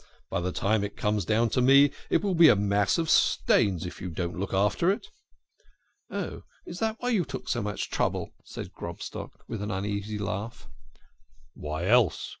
By the time it comes to me it will be a mass of stains if I don't look after it." "Oh, is that why you took so much trouble?" said Grobstock, with an uneasy laugh. " Why else